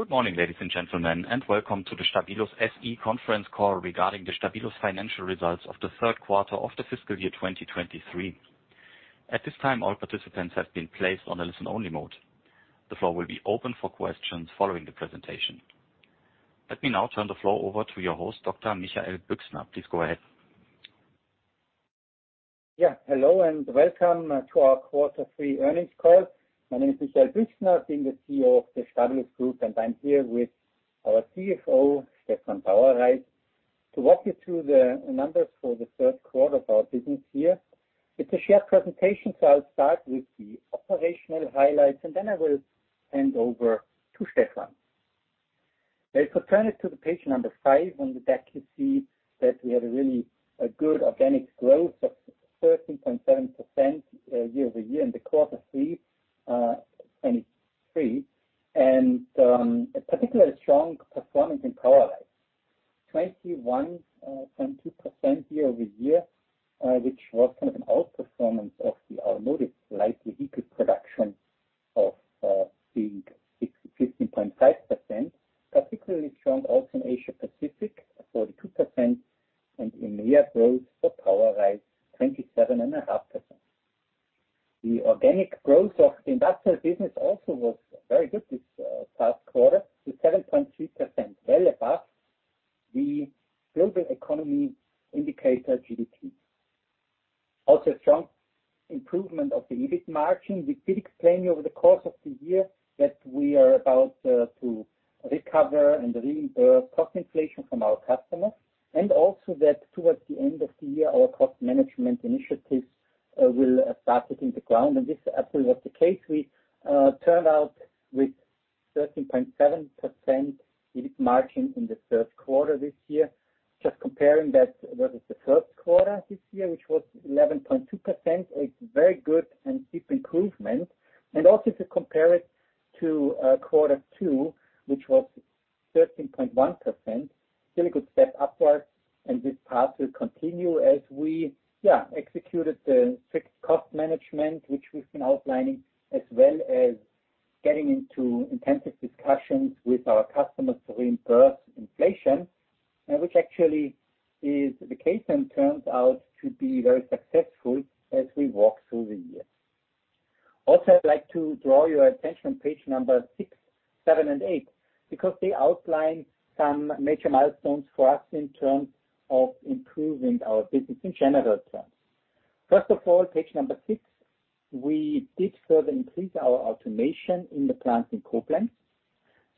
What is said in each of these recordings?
Good morning, ladies and gentlemen. Welcome to the Stabilus SE conference call regarding the Stabilus financial results of the third quarter of the fiscal year 2023. At this time, all participants have been placed on a listen-only mode. The floor will be open for questions following the presentation. Let me now turn the floor over to your host, Dr. Michael Büchsner. Please go ahead. Yeah, hello, welcome to our Quarter Three Earnings Call. My name is Michael Büchsner, being the CEO of the Stabilus Group, and I'm here with our CFO, Stefan Bauerreis, to walk you through the numbers for the third quarter of our business year. It's a shared presentation, I'll start with the operational highlights, and then I will hand over to Stefan. Let's turn it to the page number five. On the back, you see that we had a really good organic growth of 13.7% year-over-year in the quarter three. A particularly strong performance in POWERISE, 21.2% year-over-year, which was kind of an outperformance of the automotive, slightly equal production of 15.5%, particularly strong also in Asia Pacific, 42%, and EMEA growth for POWERISE, 27.5%. The organic growth of the industrial business also was very good this past quarter, with 7.3% well above the global economy indicator, GDP. Also, a strong improvement of the EBIT margin. We did explain over the course of the year that we are about to recover and reimburse cost inflation from our customers, and also that towards the end of the year, our cost management initiatives will start hitting the ground. This actually was the case. We turned out with 13.7% EBIT margin in the third quarter this year. Just comparing that, that is the first quarter this year, which was 11.2%, a very good and steep improvement. Also to compare it to Q2, which was 13.1%, still a good step upwards, and this path will continue as we executed the strict cost management, which we've been outlining, as well as getting into intensive discussions with our customers to reimburse inflation, which actually is the case and turns out to be very successful as we walk through the year. Also, I'd like to draw your attention on page number six, seven, and eight, because they outline some major milestones for us in terms of improving our business in general terms. First of all, page number six, we did further increase our automation in the plant in Koblenz.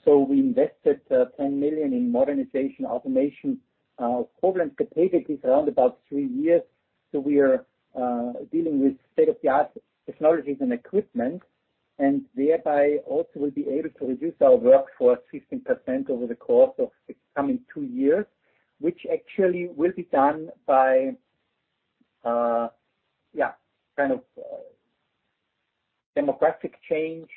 We invested $10 million in modernization, automation. Koblenz capacity is around about three years, we are dealing with state-of-the-art technologies and equipment, and thereby also will be able to reduce our workforce 15% over the course of the coming two years, which actually will be done by kind of demographic change.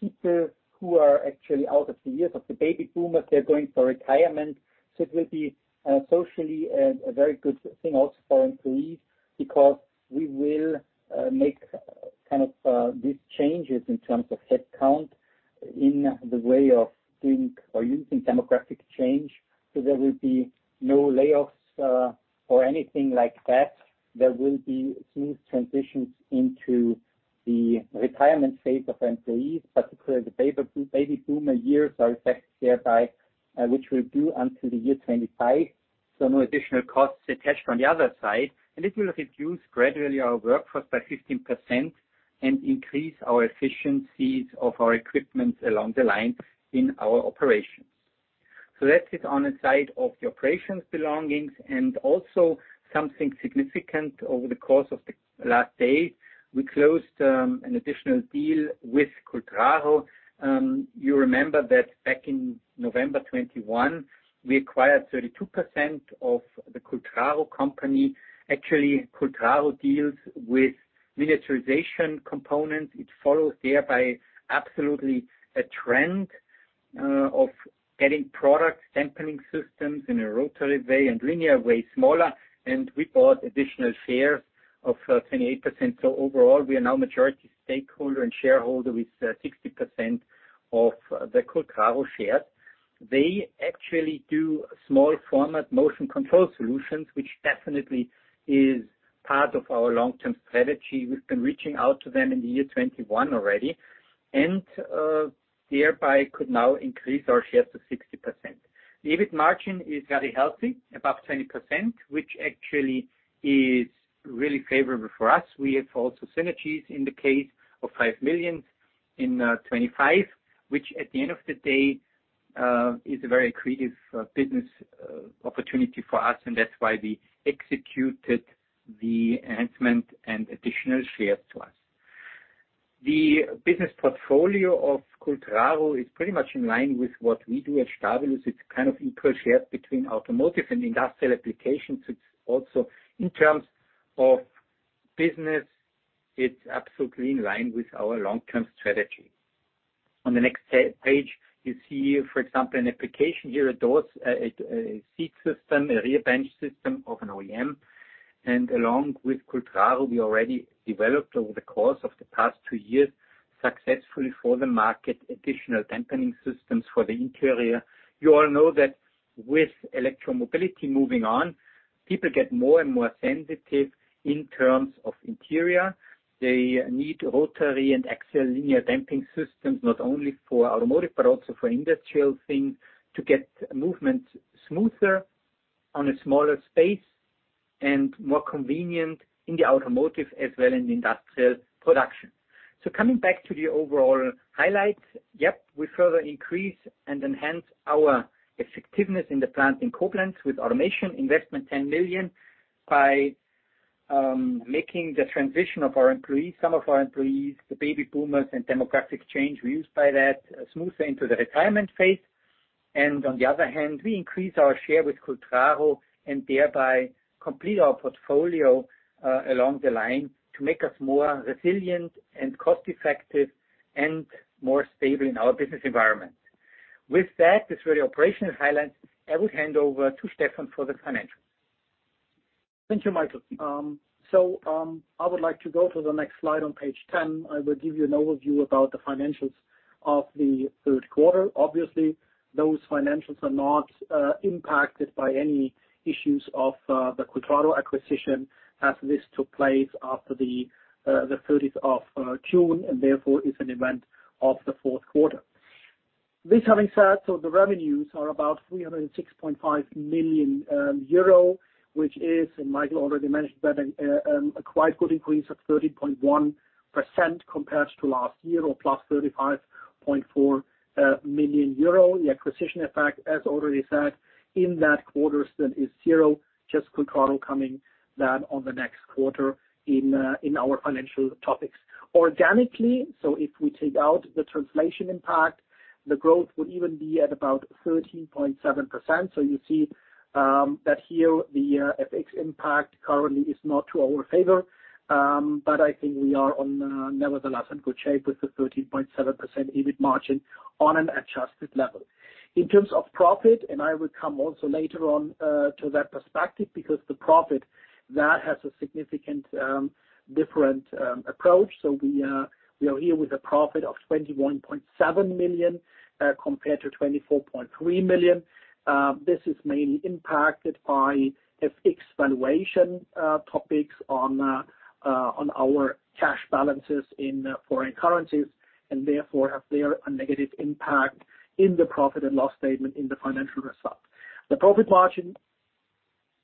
People who are actually out of the years of the baby boomers, they're going for retirement. It will be socially a very good thing also for employees, because we will make kind of these changes in terms of headcount in the way of doing or using demographic change. There will be no layoffs or anything like that. There will be smooth transitions into the retirement phase of employees, particularly the baby boomer years are affected thereby, which will do until the year 2025. No additional costs attached on the other side. It will reduce gradually our workforce by 15% and increase our efficiencies of our equipment along the line in our operations. That is on the side of the operations belongings. Also something significant over the course of the last day, we closed an additional deal with Cultraro. You remember that back in November 2021, we acquired 32% of the Cultraro company. Actually, Cultraro deals with miniaturization components. It follows thereby absolutely a trend of getting product sampling systems in a rotary way and linear way, smaller, and we bought additional shares of 28%. Overall, we are now majority stakeholder and shareholder with 60% of the Cultraro shares. They actually do small format motion control solutions, which definitely is part of our long-term strategy. We've been reaching out to them in the year 2021 already, and thereby could now increase our shares to 60%. The EBIT margin is very healthy, above 20%, which actually is really favorable for us. We have also synergies in the case of 5 million in 2025, which at the end of the day, is a very creative business opportunity for us, and that's why we executed the enhancement and additional shares to us. The business portfolio of Cultraro is pretty much in line with what we do at Stabilus. It's kind of equal shares between automotive and industrial applications. It's also in terms of business, it's absolutely in line with our long-term strategy. On the next page, you see, for example, an application here, a doors, a seat system, a rear bench system of an OEM. Along with Cultraro, we already developed over the course of the past two years, successfully for the market, additional damping systems for the interior. You all know that with electromobility moving on, people get more and more sensitive in terms of interior. They need rotary and axial linear damping systems, not only for automotive, but also for industrial things, to get movement smoother on a smaller space and more convenient in the automotive, as well in the industrial production. Yep, we further increase and enhance our effectiveness in the plant in Koblenz with automation investment 10 million, by making the transition of our employees, some of our employees, the baby boomers and demographic change, we use by that, smoother into the retirement phase. On the other hand, we increase our share with Cultraro and thereby complete our portfolio along the line to make us more resilient and cost-effective and more stable in our business environment. With that, these were the operational highlights, I will hand over to Stefan for the financials. Thank you, Michael. I would like to go to the next slide on page 10. I will give you an overview about the financials of the third quarter Obviously, those financials are not impacted by any issues of the Cultraro acquisition, as this took place after the 30th of June, and therefore is an event of the Q4. This having said, the revenues are about 306.5 million euro, which is, and Michael already mentioned that, a quite good increase of 13.1% compared to last year, or +35.4 million euro. The acquisition effect, as already said, in that quarter, still is 0, just Cultraro coming then on the next quarter in our financial topics. Organically, if we take out the translation impact, the growth would even be at about 13.7%. You see that here, the FX impact currently is not to our favor, but I think we are nevertheless in good shape with the 13.7% EBIT margin on an adjusted level. In terms of profit, and I will come also later on to that perspective, because the profit that has a significant, different approach. We are here with a profit of 21.7 million, compared to 24.3 million. This is mainly impacted by FX valuation topics on our cash balances in foreign currencies, and therefore, have there a negative impact in the P&L statement in the financial result. The profit margin,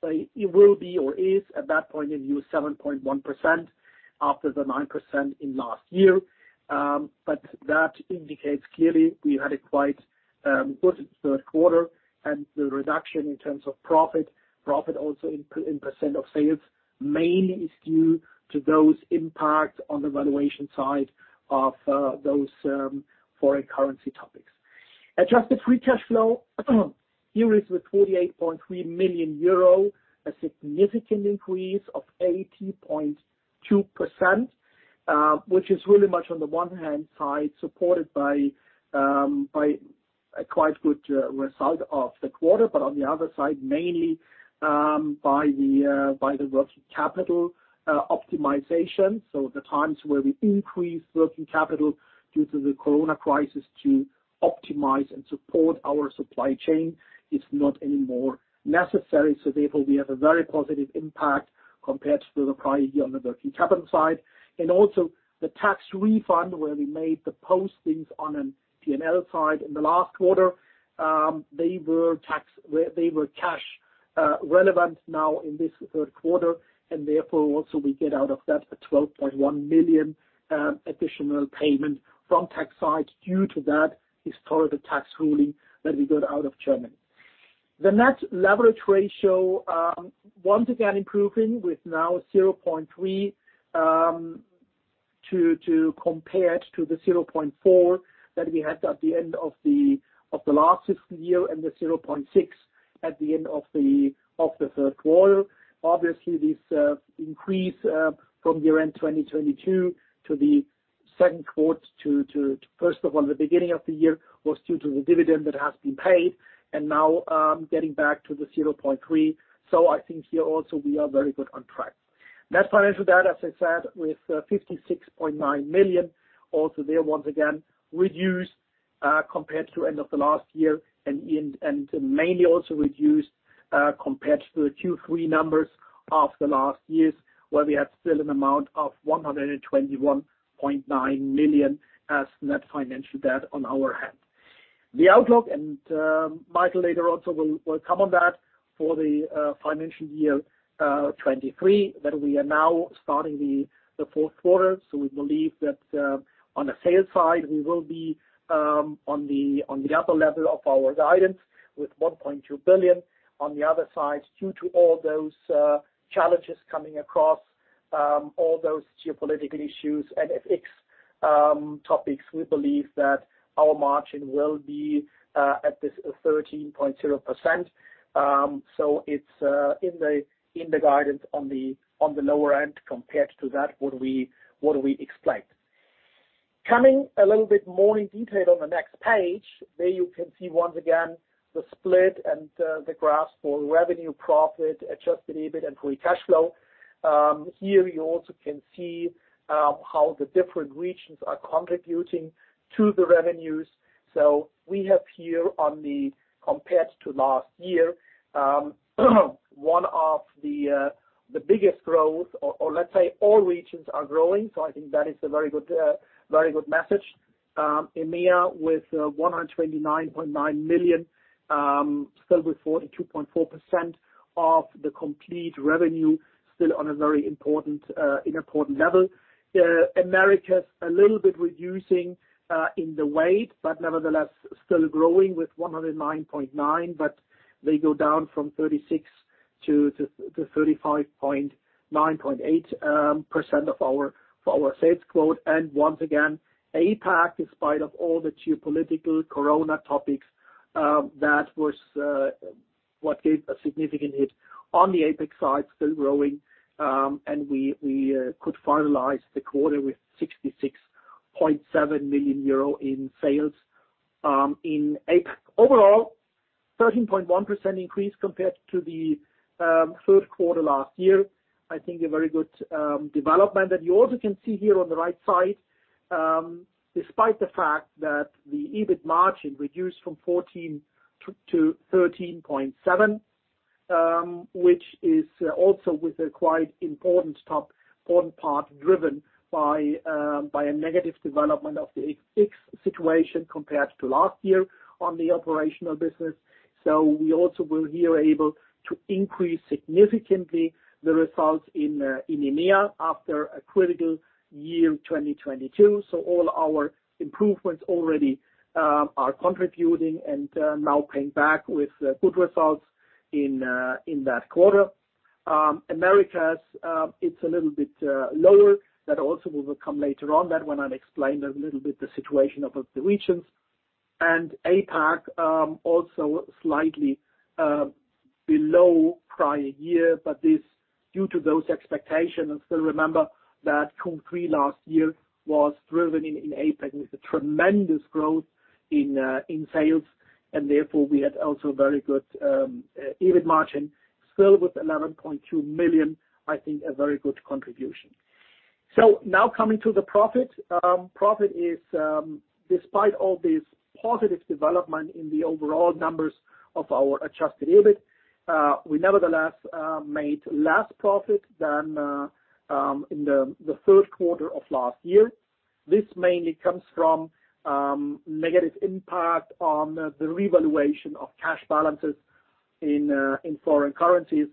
it will be or is, at that point of view, 7.1% after the 9% in last year. That indicates clearly we had a quite good third quarter, and the reduction in terms of profit, profit also in, in % of sales, mainly is due to those impacts on the valuation side of those foreign currency topics. Adjusted free cash flow, here is with 48.3 million euro, a significant increase of 80.2%, which is really much on the one hand side, supported by a quite good result of the quarter, but on the other side, mainly by the working capital optimization. The times where we increased working capital due to the COVID crisis to optimize and support our supply chain is not anymore necessary. Therefore, we have a very positive impact compared to the prior year on the working capital side. Also the tax refund, where we made the postings on a P&L side in the last quarter, they were cash relevant now in this third quarter, and therefore, also we get out of that a 12.1 million additional payment from tax side due to that historical tax ruling that we got out of Germany. The net leverage ratio, once again, improving with now 0.3 to compare it to the 0.4 that we had at the end of the last year, and the 0.6 at the end of the third quarter. Obviously, this increase from year-end 2022 to the second quarter, first of all, the beginning of the year, was due to the dividend that has been paid, and now getting back to 0.3. I think here also, we are very good on track. Net financial debt, as I said, with 56.9 million, also there once again, reduced compared to end of the last year, and mainly also reduced compared to the Q3 numbers of the last years, where we had still an amount of 121.9 million as net financial debt on our hand. The outlook, Michael, later also will come on that for the financial year 2023, that we are now starting the fourth quarter. We believe that on the sales side, we will be on the upper level of our guidance with 1.2 billion. On the other side, due to all those challenges coming across, all those geopolitical issues and FX topics, we believe that our margin will be at this 13.0%. It's in the guidance on the lower end compared to that what we, what we expect. Coming a little bit more in detail on the next page, there you can see once again, the split and the graphs for revenue, profit, adjusted EBIT, and free cash flow. Here you also can see how the different regions are contributing to the revenues. We have here on the, compared to last year, one of the biggest growth, or, or let's say all regions are growing, so I think that is a very good, very good message. EMEA, with 129.9 million, still with 42.4% of the complete revenue, still on a very important, in important level. Americas, a little bit reducing in the weight, but nevertheless, still growing with 109.9 million, but they go down from 36% to 35.98% of our, of our sales quote. Once again, APAC, in spite of all the geopolitical coronavirus topics, that was what gave a significant hit on the APAC side, still growing, and we, we could finalize the quarter with 66.7 million euro in sales in APAC. Overall, 13.1% increase compared to the third quarter last year. I think a very good development. You also can see here on the right side, despite the fact that the EBIT margin reduced from 14% to 13.7%, which is also with a quite important part, driven by a negative development of the FX situation compared to last year on the operational business. We also were here able to increase significantly the results in EMEA after a critical year, 2022. All our improvements already are contributing and now paying back with good results in that quarter. Americas, it's a little bit lower. That also will come later on, that when I've explained a little bit the situation of the regions. APAC also slightly below prior year, but this due to those expectations, and still remember that Q3 last year was driven in APAC, with a tremendous growth in sales, and therefore, we had also very good EBIT margin, still with 11.2 million, I think a very good contribution. Now coming to the profit. Profit is, despite all this positive development in the overall numbers of our adjusted EBIT, we nevertheless made less profit than in the third quarter of last year. This mainly comes from negative impact on the revaluation of cash balances in foreign currencies,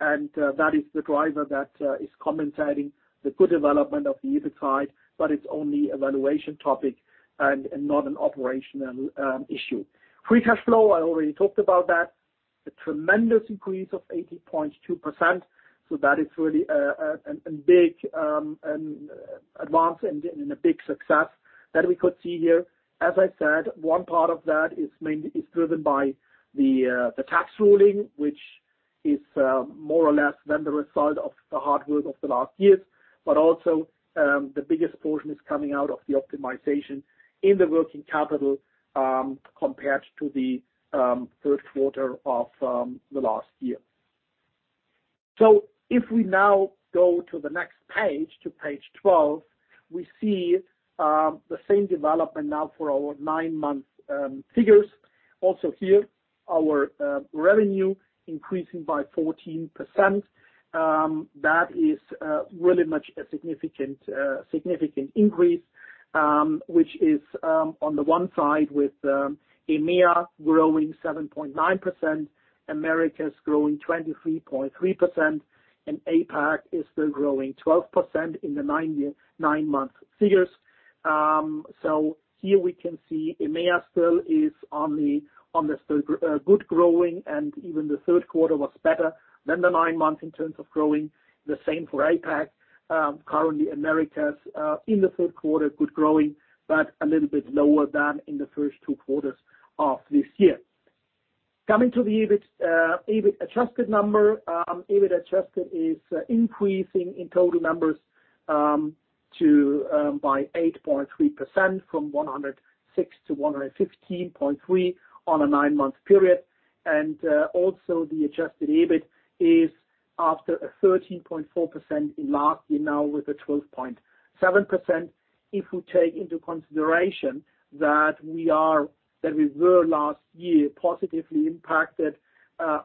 that is the driver that is commentating the good development of the EBIT side, but it's only a valuation topic and not an operational issue. Free cash flow, I already talked about that, a tremendous increase of 80.2%, that is really an big an advance and a big success that we could see here. As I said, one part of that is driven by the tax ruling, which is more or less than the result of the hard work of the last years. Also, the biggest portion is coming out of the optimization in the working capital compared to the third quarter of the last year. If we now go to the next page, to page 12, we see the same development now for our 9-month figures. Also here, our revenue increasing by 14%. That is really much a significant, significant increase, which is on the one side with EMEA growing 7.9%, Americas growing 23.3%, and APAC is still growing 12% in the 9-month figures. Here we can see EMEA still is on the, on the still good growing, and even the 3rd quarter was better than the 9 months in terms of growing. The same for APAC. Currently, Americas, in the 3rd quarter, good growing, but a little bit lower than in the first 2 quarters of this year. Coming to the EBIT, EBIT-adjusted number, EBIT adjusted is increasing in total numbers, to by 8.3%, from 106 to 115.3 on a nine-month period. Also the adjusted EBIT is after a 13.4% in last year, now with a 12.7%, if we take into consideration that we were last year, positively impacted by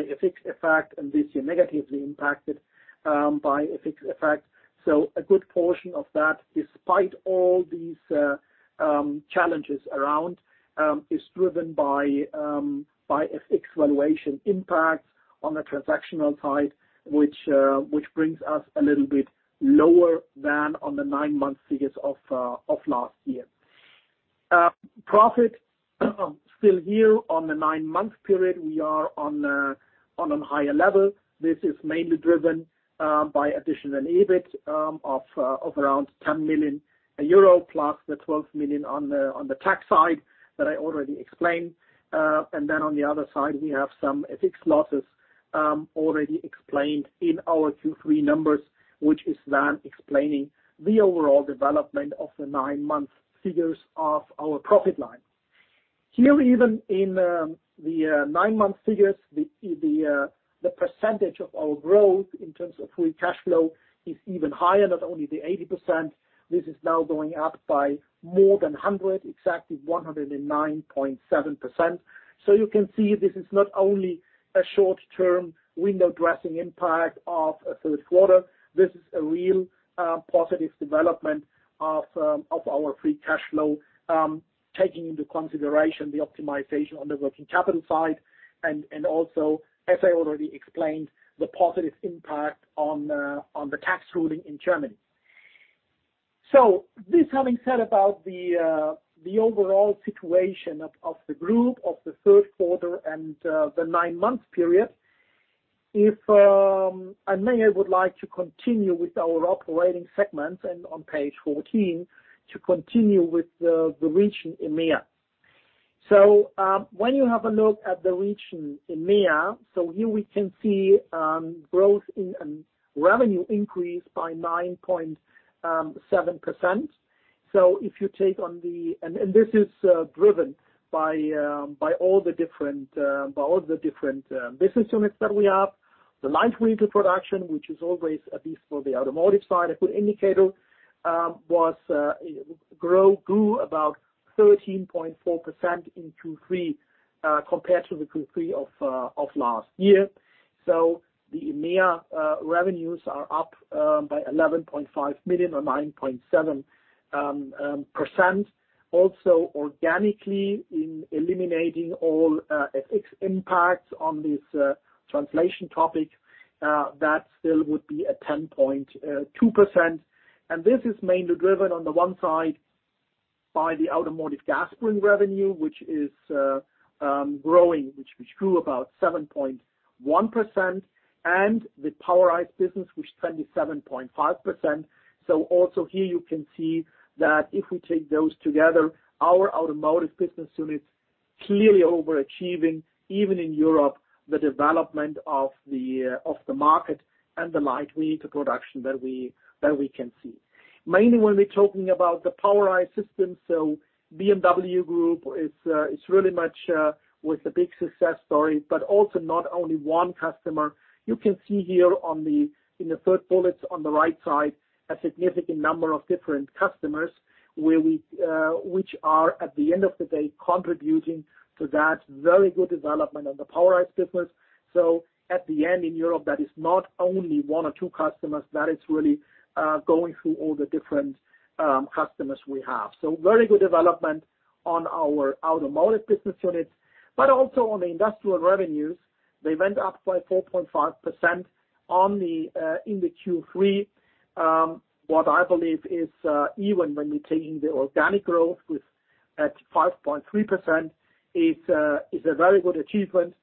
an FX effect, and this year, negatively impacted by an FX effect. A good portion of that, despite all these challenges around, is driven by FX valuation impacts on the transactional side, which brings us a little bit lower than on the nine-month figures of last year. Profit, still here on the 9-month period, we are on a higher level. This is mainly driven by additional EBIT of around 10 million euro+ the 12 million on the tax side that I already explained. Then on the other side, we have some FX losses already explained in our Q3 numbers, which is then explaining the overall development of the 9-month figures of our profit line. Here, even in the 9-month figures, the percentage of our growth in terms of free cash flow is even higher, not only the 80%, this is now going up by more than 100, exactly 109.7%. You can see this is not only a short-term window-dressing impact of a third quarter, this is a real positive development of of our free cash flow, taking into consideration the optimization on the working capital side, and, and also, as I already explained, the positive impact on the, on the tax ruling in Germany. This having said about the overall situation of of the group, of the third quarter and the nine-month period, if I may, I would like to continue with our operating segments and on page 14, to continue with the the region EMEA. When you have a look at the region EMEA, so here we can see growth and revenue increase by 9.7%. If you take on and this is driven by all the different by all the different business units that we have. The light vehicle production, which is always, at least for the automotive side, a good indicator, grew about 13.4% in Q3 compared to the Q3 of last year. The EMEA revenues are up by 11.5 million, or 9.7%. Also, organically, in eliminating all FX impacts on this translation topic, that still would be a 10.2%. This is mainly driven, on the one side, by the automotive gas spring revenue, which is growing, which grew about 7.1%, and the POWERISE business, which is 27.5%. Also here you can see that if we take those together, our automotive business unit clearly overachieving, even in Europe, the development of the market and the light vehicle production that we, that we can see. Mainly when we're talking about the POWERISE system, BMW Group is really much with a big success story, but also not only one customer. You can see here on the, in the third bullet on the right side, a significant number of different customers, where we, which are, at the end of the day, contributing to that very good development on the POWERISE business. At the end in Europe, that is not only one or two customers, that is really going through all the different customers we have. Very good development on our automotive business units, but also on the industrial revenues, they went up by 4.5% in the Q3. What I believe is, even when we're taking the organic growth with, at 5.3%, it's a very good achievement,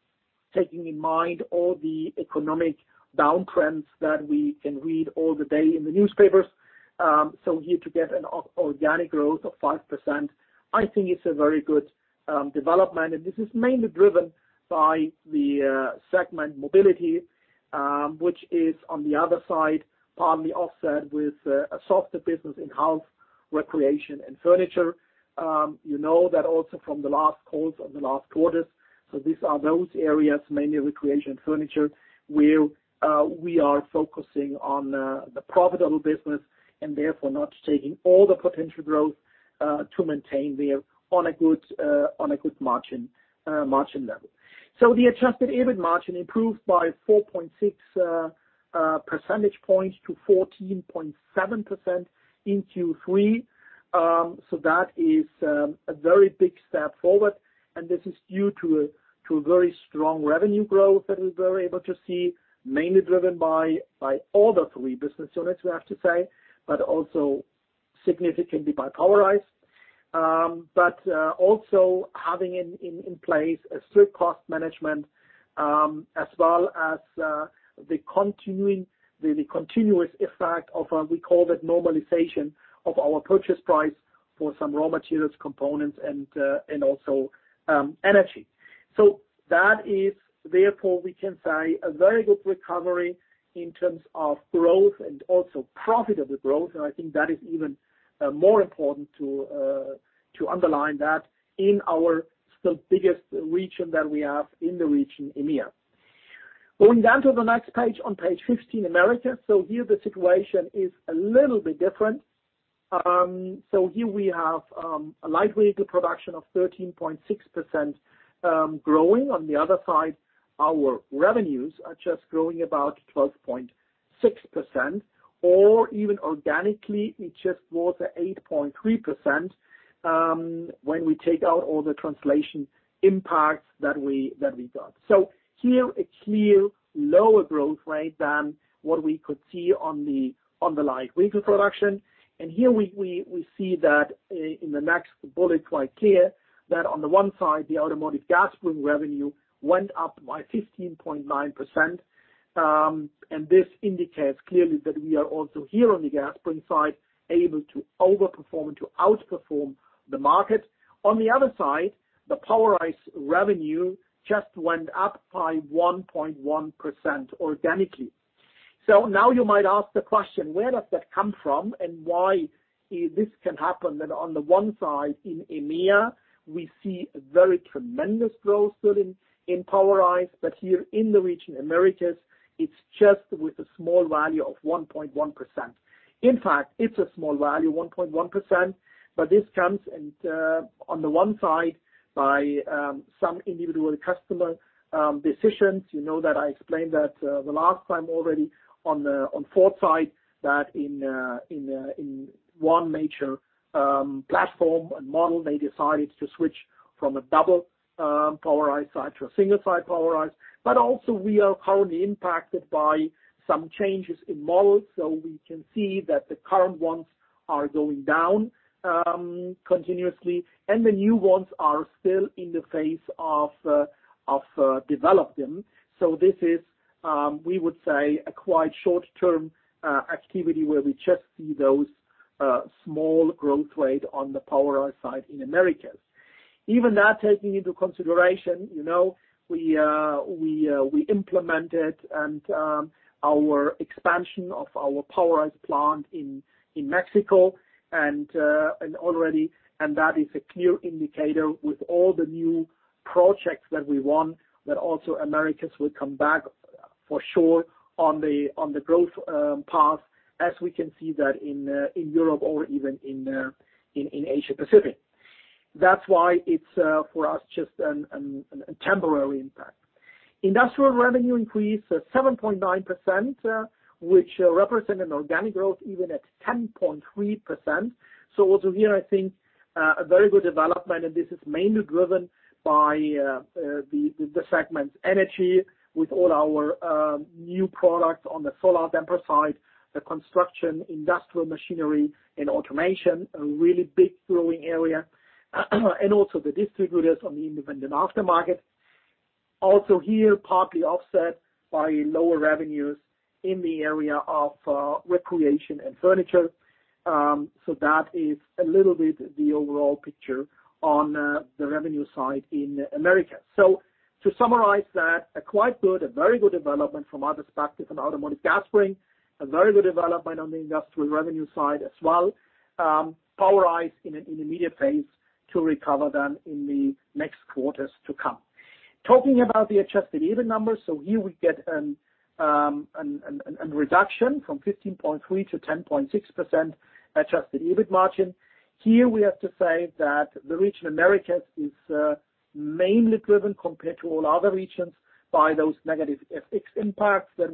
taking in mind all the economic downtrends that we can read all the day in the newspapers. Here to get an organic growth of 5%, I think it's a very good development. This is mainly driven by the segment mobility, which is, on the other side, partly offset with a softer business in health, recreation, and furniture. You know that also from the last calls on the last quarters, these are those areas, mainly recreation and furniture, where we are focusing on the profitable business and therefore not taking all the potential growth to maintain there on a good on a good margin margin level. The adjusted EBIT margin improved by 4.6 percentage points to 14.7% in Q3. That is a very big step forward, and this is due to a very strong revenue growth that we were able to see, mainly driven by all the three business units, we have to say, but also significantly by POWERISE. Also having in place a strict cost management, as well as the continuing, the continuous effect of we call that normalization of our purchase price for some raw materials, components, and also energy. That is, therefore, we can say, a very good recovery in terms of growth and also profitable growth, and I think that is even more important to underline that in our still biggest region that we have in the region, EMEA. Going down to the next page, on page 15, Americas. Here, the situation is a little bit different. Here we have a light vehicle production of 13.6% growing. On the other side, our revenues are just growing about 12.6%, or even organically, it's just more to 8.3%, when we take out all the translation impacts that we, that we got. Here, a clear lower growth rate than what we could see on the, on the light vehicle production. Here we, we, we see that in the next bullet, quite clear, that on the one side, the automotive gas spring revenue went up by 15.9%. This indicates clearly that we are also here on the gas spring side, able to overperform, to outperform the market. On the other side, the POWERISE revenue just went up by 1.1% organically. Now you might ask the question, where does that come from and why, this can happen that on the one side, in EMEA, we see a very tremendous growth still in POWERISE, but here in the region Americas, it's just with a small value of 1.1%. In fact, it's a small value, 1.1%, but this comes and on the one side, by some individual customer decisions. You know that I explained that the last time already on fourth side, that in in one major platform and model, they decided to switch from a double POWERISE side to a single side POWERISE. Also we are currently impacted by some changes in models, so we can see that the current ones are going down continuously, and the new ones are still in the phase of develop them. This is, we would say, a quite short-term activity where we just see those small growth rate on the POWERISE side in Americas. Even that, taking into consideration, you know, we implemented and our expansion of our POWERISE plant in Mexico, and that is a clear indicator with all the new projects that we won, that also Americas will come back for sure on the growth path, as we can see that in Europe or even in Asia Pacific. That's why it's for us, just a temporary impact. Industrial revenue increase, 7.9%, which represent an organic growth even at 10.3%. Also here, I think, a very good development, and this is mainly driven by the segment energy, with all our new products on the solar damper side, the construction, industrial machinery and automation, a really big growing area, and also the distributors on the independent aftermarket. Also here, partly offset by lower revenues in the area of recreation and furniture. That is a little bit the overall picture on the revenue side in Americas. To summarize that, a quite good, a very good development from our perspective on automotive gas spring, a very good development on the industrial revenue side as well. POWERISE in an intermediate phase to recover then in the next quarters to come. Talking about the adjusted EBIT numbers, here we get a reduction from 15.3% to 10.6% adjusted EBIT margin. Here, we have to say that the region Americas is mainly driven compared to all other regions, by those negative FX impacts that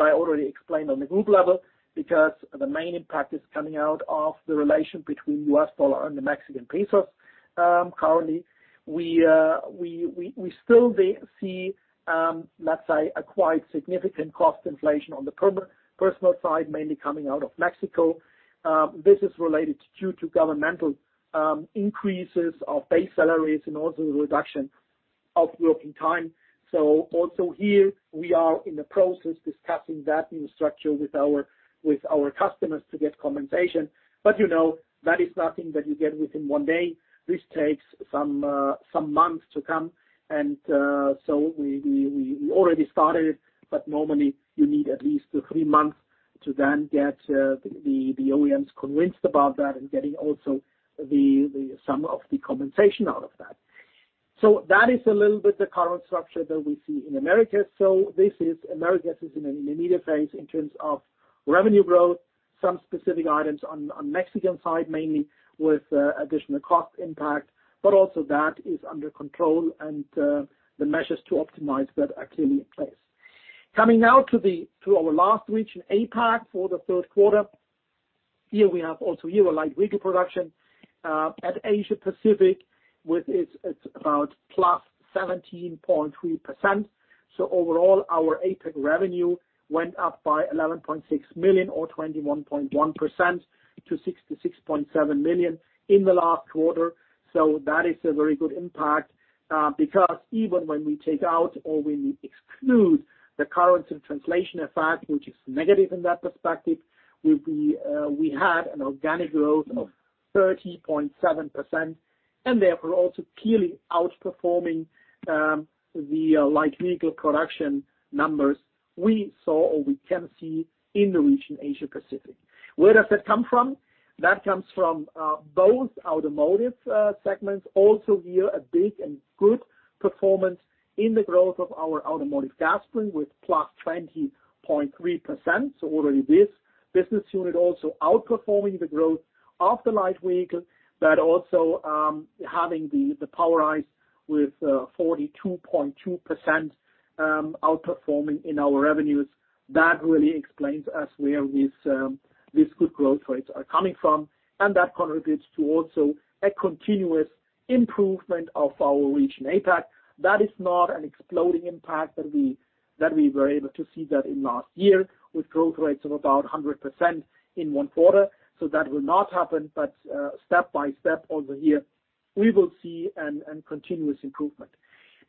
I already explained on the group level, because the main impact is coming out of the relation between US dollar and the Mexican peso. Currently, we see a quite significant cost inflation on the personal side, mainly coming out of Mexico. This is related to governmental increases of base salaries and also the reduction of working time. Also here, we are in the process discussing that new structure with our, with our customers to get compensation. You know, that is nothing that you get within 1 day. This takes some months to come, and so we already started, but normally you need at least 3 months to then get the OEM convinced about that and getting also the sum of the compensation out of that. That is a little bit the current structure that we see in Americas. This is, Americas is in an intermediate phase in terms of revenue growth, some specific items on Mexican side, mainly with additional cost impact, but also that is under control and the measures to optimize that are clearly in place. Coming now to our last region, APAC, for the third quarter. Here we have also here a light vehicle production at Asia Pacific, it's about +17.3%. Overall, our APAC revenue went up by 11.6 million or 21.1% to 66.7 million in the last quarter. That is a very good impact because even when we take out or when we exclude the currency and translation effect, which is negative in that perspective, we, we had an organic growth of 30.7%, and therefore, also clearly outperforming the light vehicle production numbers we saw or we can see in the region Asia Pacific. Where does that come from? That comes from both automotive segments. Here, a big and good performance in the growth of our automotive gas spring with +20.3%. Already this business unit also outperforming the growth of the light vehicle, but also having the POWERISE with 42.2% outperforming in our revenues. Really explains us where this good growth rates are coming from, and that contributes to also a continuous improvement of our region, APAC. Is not an exploding impact that we, that we were able to see that in last year, with growth rates of about 100% in one quarter. That will not happen, step by step over here, we will see a continuous improvement.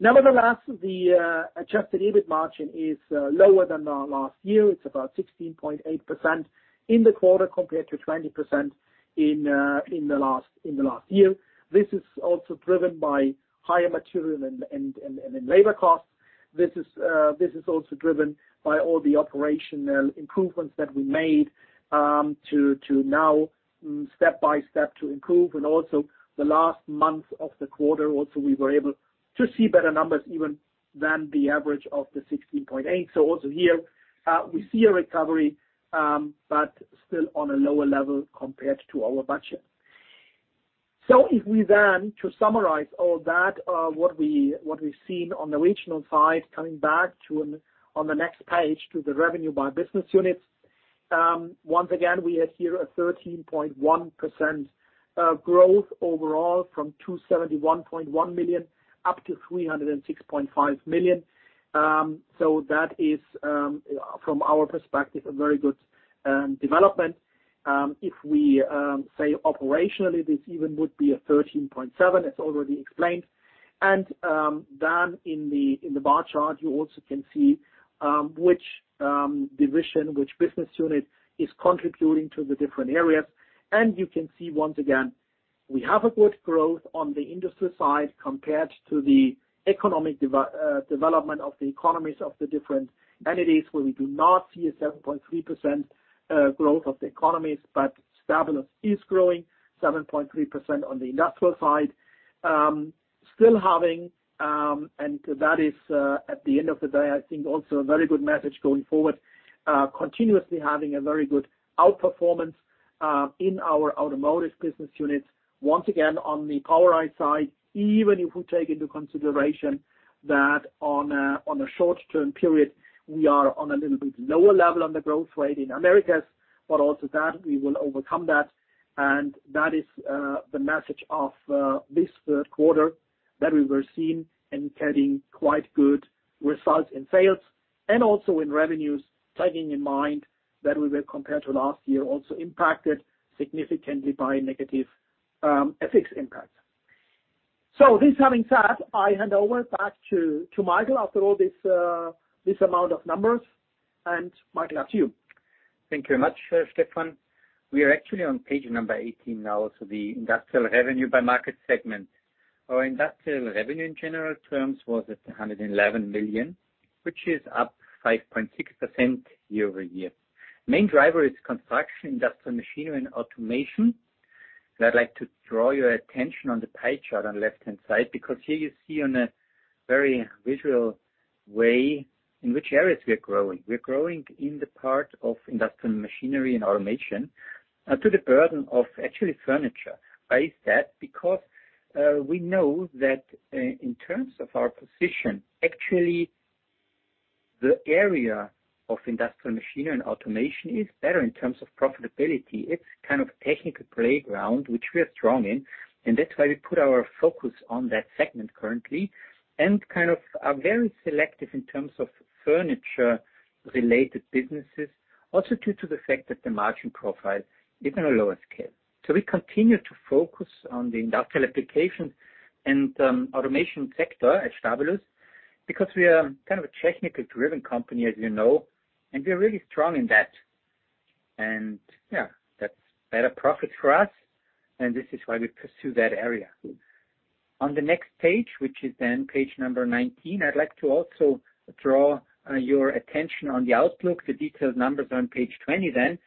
Nevertheless, the adjusted EBIT margin is lower than our last year. It's about 16.8% in the quarter, compared to 20% in the last year. This is also driven by higher material and labor costs. This is also driven by all the operational improvements that we made to now, step by step, to improve. Also the last month of the quarter, also, we were able to see better numbers even than the average of the 16.8. Also here, we see a recovery, but still on a lower level compared to our budget. If we then, to summarize all that, what we've seen on the regional side, coming back to, on the next page, to the revenue by business units. Once again, we have here a 13.1% growth overall, from 271.1 million up to 306.5 million. That is, from our perspective, a very good development. If we say operationally, this even would be a 13.7, as already explained. In the bar chart, you also can see which division, which business unit is contributing to the different areas. You can see once again, we have a good growth on the industry side compared to the economic development of the economies of the different entities, where we do not see a 7.3% growth of the economies, but Stabilus is growing 7.3% on the industrial side. Still having, and that is, at the end of the day, I think also a very good message going forward, continuously having a very good outperformance in our automotive business units. Once again, on the POWERISE side, even if we take into consideration that on a short-term period, we are on a little bit lower level on the growth rate in Americas, but also that we will overcome that. That is the message of this third quarter, that we were seeing and getting quite good results in sales and also in revenues, taking in mind that we were, compared to last year, also impacted significantly by negative FX impacts. This having said, I hand over back to Michael, after all this amount of numbers, and Michael, up to you. Thank you very much, Stefan. We are actually on page number 18 now, the Industrial Revenue by Market Segment. Our industrial revenue, in general terms, was at 111 million, which is up 5.6% year-over-year. Main driver is Construction, Industrial Machinery, and Automation. I'd like to draw your attention on the pie chart on the left-hand side, because here you see on a very visual way in which areas we are growing. We're growing in the part of Industrial Machinery and Automation, to the burden of actually Furniture. Why is that? Because we know that, in terms of our position, actually, the area of Industrial Machinery and Automation is better in terms of profitability. It's kind of technical playground, which we are strong in, and that's why we put our focus on that segment currently, and kind of are very selective in terms of furniture-related businesses, also due to the fact that the margin profile is on a lower scale. We continue to focus on the industrial application and automation sector at Stabilus, because we are kind of a technically driven company, as you know, and we are really strong in that. Yeah, that's better profit for us, and this is why we pursue that area. On the next page, which is then page number 19, I'd like to also draw your attention on the outlook. The detailed numbers are on page 20 then.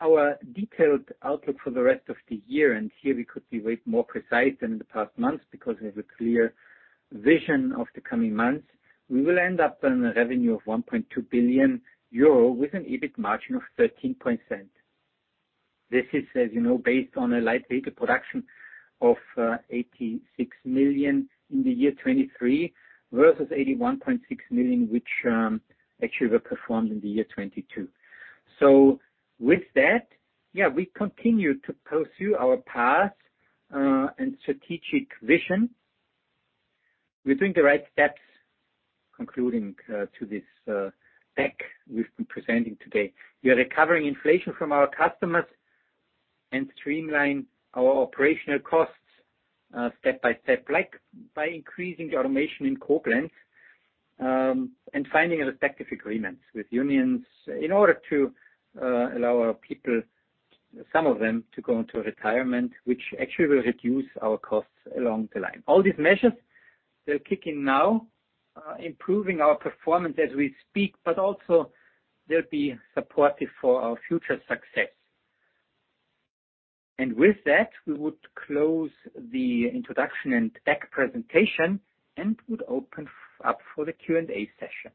Our detailed outlook for the rest of the year. Here we could be way more precise than in the past months, because we have a clear vision of the coming months. We will end up on a revenue of 1.2 billion euro, with an EBIT margin of 13%. This is, as you know, based on a light vehicle production of 86 million in the year 2023, versus 81.6 million, which actually were performed in the year 2022. With that, yeah, we continue to pursue our path and strategic vision. We're doing the right steps, concluding to this deck we've been presenting today. We are recovering inflation from our customers and streamline our operational costs, step by step, like by increasing the automation in Koblenz, and finding respective agreements with unions in order to allow our people, some of them, to go into a retirement, which actually will reduce our costs along the line. All these measures, they're kicking now, improving our performance as we speak, but also they'll be supportive for our future success. With that, we would close the introduction and deck presentation and would open up for the Q&A session.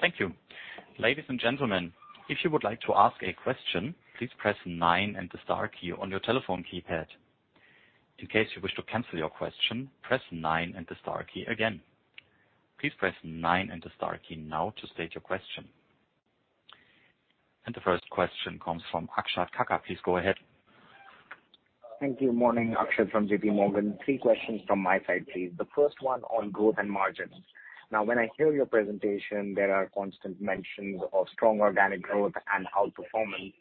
Thank you. Ladies and gentlemen, if you would like to ask a question, please press nine and the star key on your telephone keypad. In case you wish to cancel your question, press nine and the star key again. Please press nine and the star key now to state your question. The first question comes from Akshat Kacker. Please go ahead. Thank you. Morning, Akshat from JP Morgan. Three questions from my side, please. The first one on growth and margins. When I hear your presentation, there are constant mentions of strong organic growth and outperformance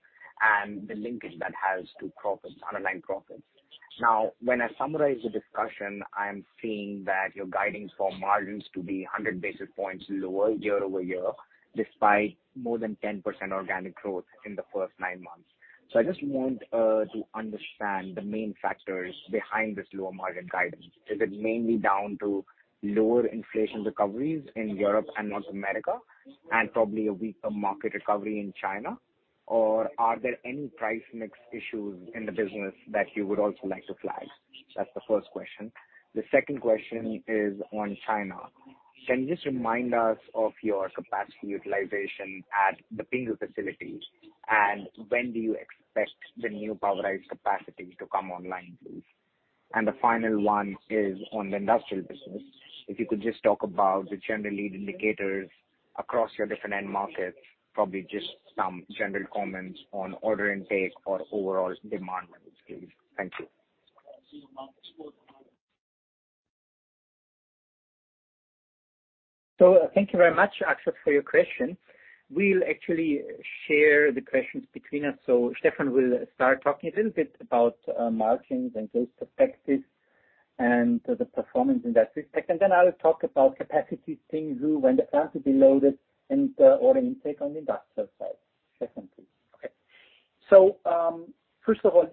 and the linkage that has to profits, underlying profits. When I summarize the discussion, I am seeing that your guidance for margins to be 100 basis points lower year-over-year, despite more than 10% organic growth in the first nine months. I just want to understand the main factors behind this lower margin guidance. Is it mainly down to lower inflation recoveries in Europe and North America, and probably a weaker market recovery in China? Are there any price mix issues in the business that you would also like to flag? That's the first question. The second question is on China. Can you just remind us of your capacity utilization at the Pinghu facility, when do you expect the new POWERISE capacity to come online, please? The final 1 is on the industrial business. If you could just talk about the general lead indicators across your different end markets, probably just some general comments on order intake or overall demand levels, please. Thank you. Thank you very much, Akshat, for your question. We'll actually share the questions between us. Stefan will start talking a little bit about margins and growth perspectives and the performance in that respect. Then I will talk about capacity, Pinghu, when the plant will be loaded and order intake on the industrial side. Stefan, please. Okay. First of all,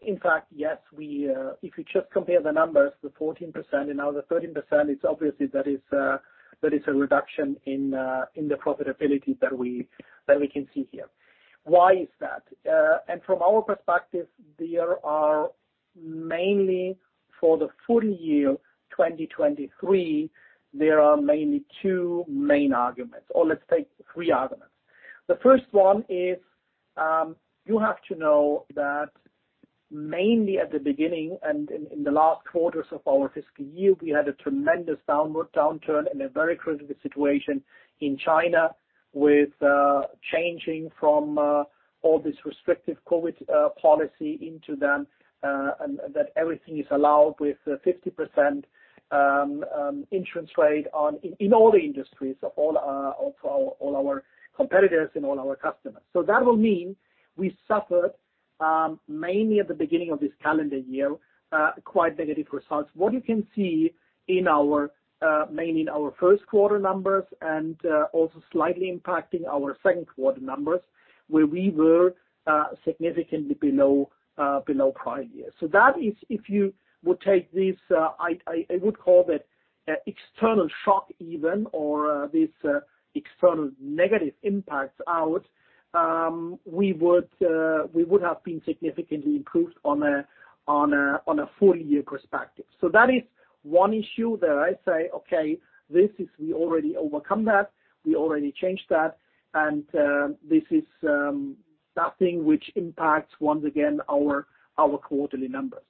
in fact, yes, we, if you just compare the numbers, the 14% and now the 13%, it's obviously that is, that is a reduction in, in the profitability that we, that we can see here. Why is that? From our perspective, there are mainly for the full year 2023, there are mainly two main arguments, or let's take three arguments. The first one is, you have to know that mainly at the beginning and in, in the last quarters of our fiscal year, we had a tremendous downward downturn and a very critical situation in China with changing from all this restrictive COVID policy into them, and that everything is allowed with 50% entrance rate in, in all the industries, all our competitors and all our customers. That will mean we suffered mainly at the beginning of this calendar year, quite negative results. What you can see in our mainly in our first quarter numbers and also slightly impacting our second quarter numbers, where we were significantly below below prior years. That is if you would take this, I, I, I would call that external shock even, or this external negative impacts out, we would have been significantly improved on a, on a, on a full year perspective. That is one issue that I say, okay, this is we already overcome that, we already changed that, and this is nothing which impacts once again, our, our quarterly numbers.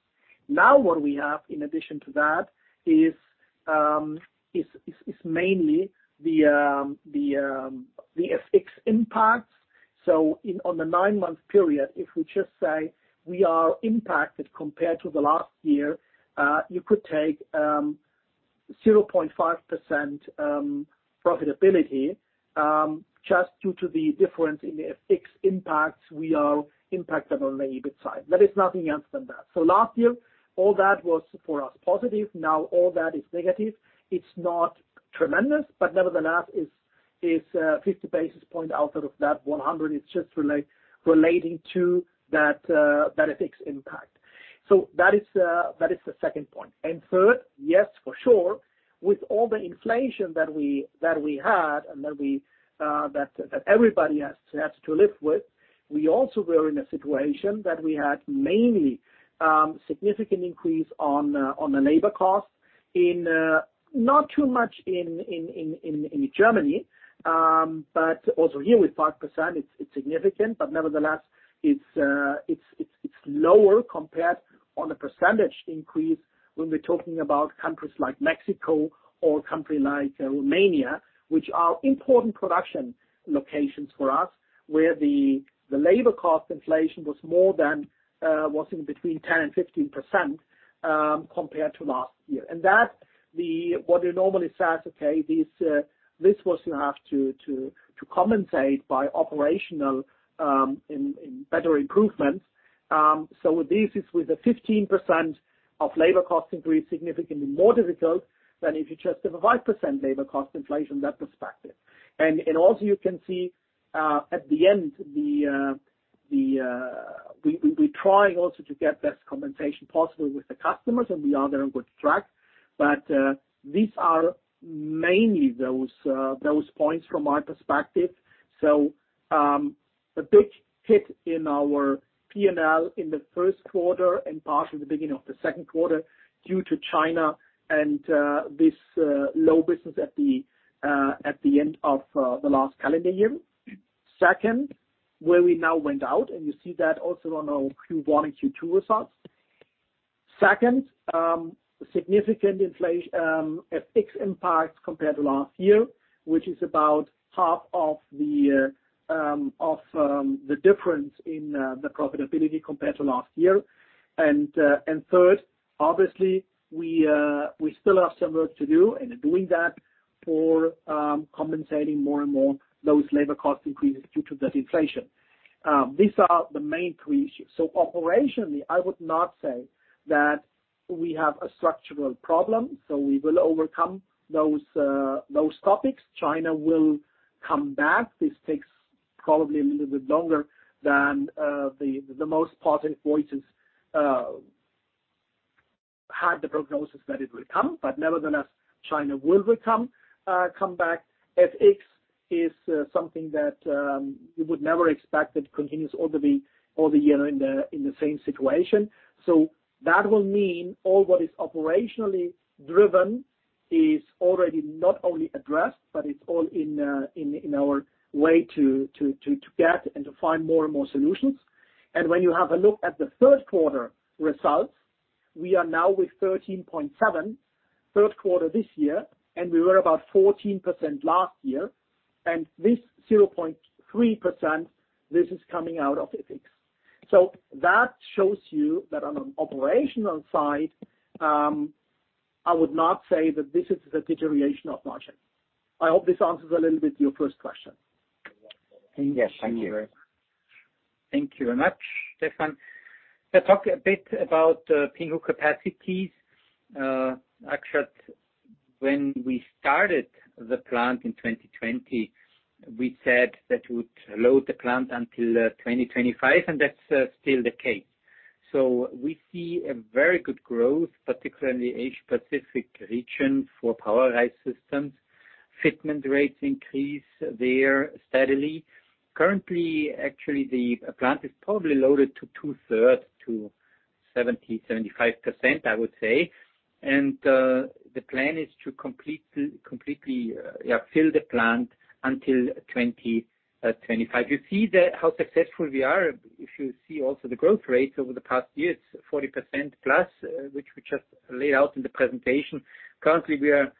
Now, what we have in addition to that is, is, is mainly the, the, the FX impacts. In, on the nine-month period, if we just say we are impacted compared to the last year, you could take 0.5% profitability just due to the difference in the FX impacts, we are impacted on the EBIT side. That is nothing else than that. Last year, all that was for us, positive. Now, all that is negative. It's not tremendous, but nevertheless, is 50 basis points out of that 100, it's just relating to that FX impact. That is the second point. Third, yes, for sure. With all the inflation that we had and that everybody has to live with, we also were in a situation that we had mainly significant increase on the labor costs in not too much in Germany, but also here with 5%, it's significant. Nevertheless, it's, it's, it's lower compared on a percentage increase when we're talking about countries like Mexico or country like Romania, which are important production locations for us, where the labor cost inflation was more than was in between 10% and 15% compared to last year. That the -- what you normally say, okay, this was you have to compensate by operational in, in better improvements. So this is with a 15% of labor cost increase, significantly more difficult than if you just have a 5% labor cost inflation, that perspective. Also you can see at the end, the, we trying also to get best compensation possible with the customers, and we are there on good track. These are mainly those points from my perspective. A big hit in our P&L in the first quarter and part of the beginning of the second quarter, due to China and this low business at the end of the last calendar year. Second, where we now went out, and you see that also on our Q1 and Q2 results. Second, significant inflation, FX impact compared to last year, which is about half of the difference in the profitability compared to last year. Third, obviously, we still have some work to do, and doing that for compensating more and more those labor cost increases due to that inflation. These are the main three issues. Operationally, I would not say that we have a structural problem, so we will overcome those topics. China will come back. This takes probably a little bit longer than the most positive voices had the prognosis that it will come, but nevertheless, China will return, come back. FX is something that you would never expect it continues all the way, all the year in the same situation. That will mean all what is operationally driven is already not only addressed, but it's all in our way to get and to find more and more solutions. When you have a look at the third quarter results, we are now with 13.7% third quarter this year. We were about 14% last year. This 0.3% is coming out of FX. That shows you that on an operational side, I would not say that this is the deterioration of margin. I hope this answers a little bit your first question. Yes, thank you. Thank you very much, Stefan. To talk a bit about Pinghu capacities, Akshat, when we started the plant in 2020, we said that we would load the plant until 2025, and that's still the case. We see a very good growth, particularly in Asia Pacific region, for POWERISE systems. Fitment rates increase there steadily. Currently, actually, the plant is probably loaded to two-thirds, to 70%-75%, I would say. The plan is to completely, completely, yeah, fill the plant until 2025. You see that how successful we are, if you see also the growth rates over the past years, 40%+ which we just laid out in the presentation. Currently, we are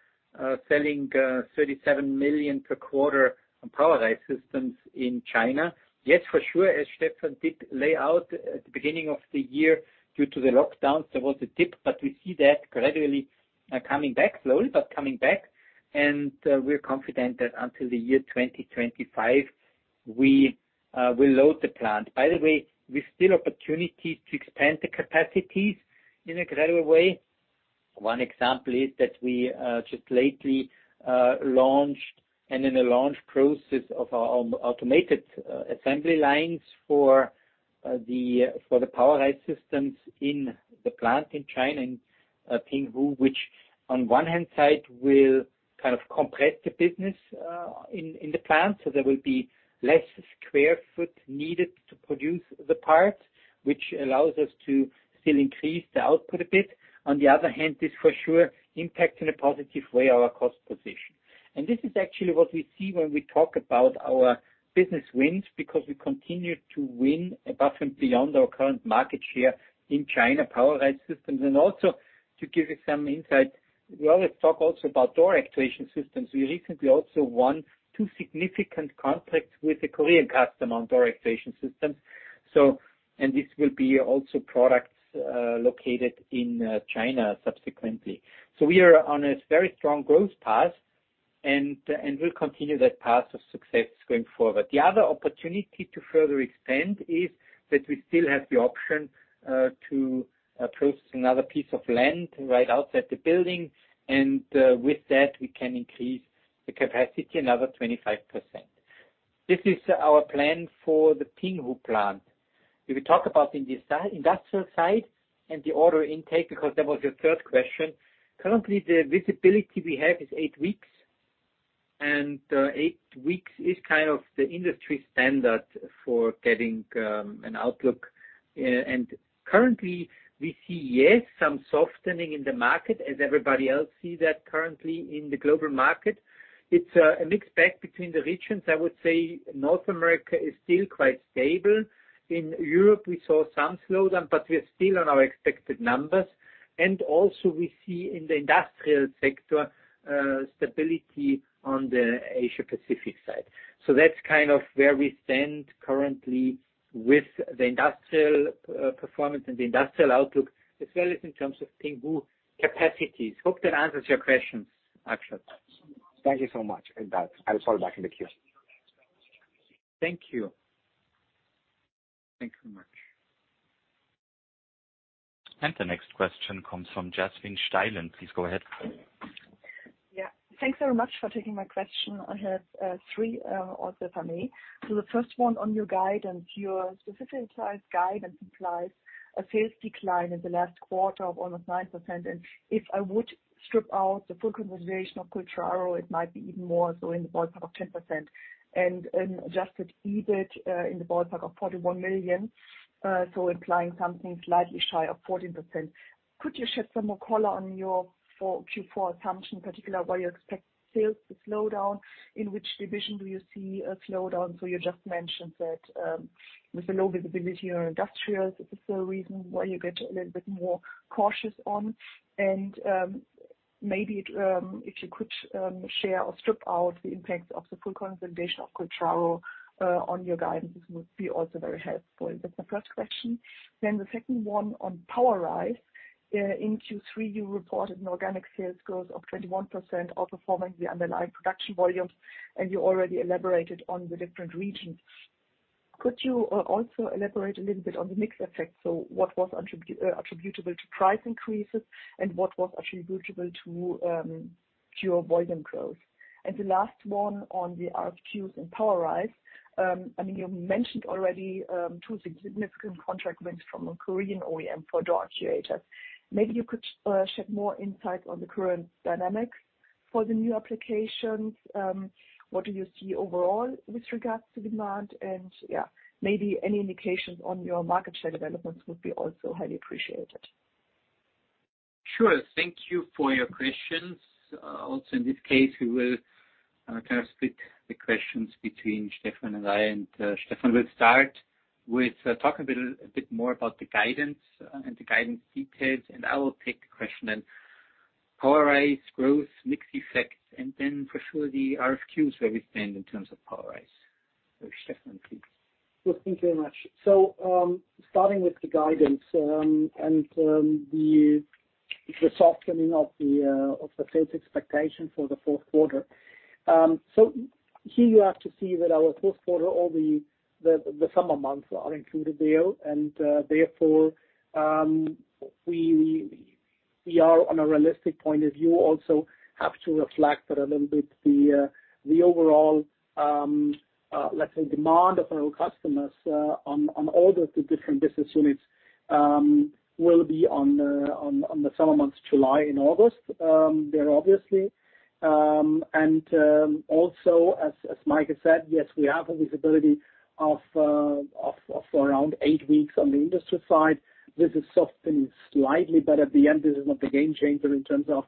selling $37 million per quarter on POWERISE systems in China. Yes, for sure, as Stefan did lay out at the beginning of the year, due to the lockdown, there was a dip, but we see that gradually, coming back, slowly, but coming back, and we're confident that until the year 2025, we will load the plant. By the way, we still opportunity to expand the capacities in a gradual way. One example is that we just lately launched and in the launch process of our automated assembly lines for the POWERISE systems in the plant in China, in Pinghu, which on one hand side, will kind of compress the business in the plant. There will be less square foot needed to produce the parts, which allows us to still increase the output a bit. On the other hand, this for sure, impacts in a positive way our cost position. This is actually what we see when we talk about our business wins, because we continue to win above and beyond our current market share in China, POWERISE systems. Also, to give you some insight, we always talk also about door actuation systems. We recently also won two significant contracts with a Korean customer on door actuation systems. This will be also products, located in China subsequently. We are on a very strong growth path, and will continue that path of success going forward. The other opportunity to further expand is that we still have the option to approach another piece of land right outside the building, and with that, we can increase the capacity another 25%. This is our plan for the Pinghu plant. If we talk about in the industrial side and the order intake, because that was your third question. Currently, the visibility we have is eight weeks, and eight weeks is kind of the industry standard for getting an outlook. Currently, we see, yes, some softening in the market, as everybody else see that currently in the global market. It's a mixed bag between the regions. I would say North America is still quite stable. In Europe, we saw some slowdown, but we are still on our expected numbers. Also we see in the industrial sector, stability on the Asia Pacific side. That's kind of where we stand currently with the industrial performance and the industrial outlook, as well as in terms of Pinghu capacities. Hope that answers your questions, Akshat. Thank you so much. That, I'll follow back in the queue. Thank you. Thank you very much. The next question comes from Jasmin Schaal. Please go ahead. Yeah. Thanks very much for taking my question. I have 3 also for me. The first one on your guide and your specific size guide, and supplies a sales decline in the last quarter of almost 9%. If I would strip out the full conversation of Cultraro, it might be even more so in the ballpark of 10%. An adjusted EBIT in the ballpark of 41 million, so implying something slightly shy of 14%. Could you shed some more color on your for Q4 assumption, particularly where you expect sales to slow down? In which division do you see a slowdown? You just mentioned that, with the low visibility on industrials, is this the reason why you get a little bit more cautious on?... maybe, if you could share or strip out the impact of the full consolidation of Cultraro on your guidance, this would be also very helpful. That's the first question. The second one on POWERISE. In Q3, you reported an organic sales growth of 21%, outperforming the underlying production volumes, and you already elaborated on the different regions. Could you also elaborate a little bit on the mix effect? What was attribute attributable to price increases, and what was attributable to pure volume growth? The last one on the RFQs and POWERISE. I mean, you mentioned already, 2 significant contract wins from a Korean OEM for door actuation systems. Maybe you could shed more insight on the current dynamics for the new applications. What do you see overall with regards to demand? Yeah, maybe any indications on your market share developments would be also highly appreciated. Sure. Thank you for your questions. Also, in this case, we will kind of split the questions between Stefan and I, and Stefan will start with talking a little, a bit more about the guidance and the guidance details, and I will take the question on POWERISE growth, mix effects, and then for sure, the RFQ, where we stand in terms of POWERISE. Stefan, please. Thank you very much. Starting with the guidance, and the softening of the sales expectation for the fourth quarter. Here you have to see that our fourth quarter, all the summer months are included there, and therefore, we are on a realistic point of view, also have to reflect that a little bit, the overall, let's say, demand of our customers on all the two different business units will be on the summer months, July and August, there, obviously. Also, as Mike has said, yes, we have a visibility of around 8 weeks on the industry side. This is softening slightly, but at the end, this is not the game changer in terms of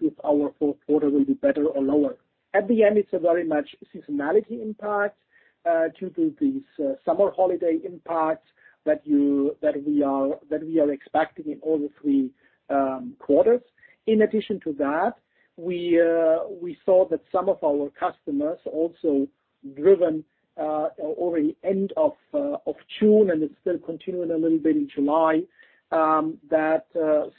if our fourth quarter will be better or lower. At the end, it's a very much seasonality impact due to these summer holiday impacts that we are, that we are expecting in all the 3 quarters. In addition to that, we saw that some of our customers also driven over the end of June, and it's still continuing a little bit in July, that